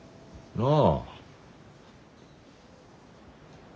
なあ。